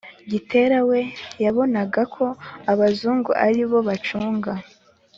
Gitera we yabonaga ko abazungu ari bo bacunga